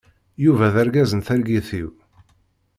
Yuba d argaz n targit-iw.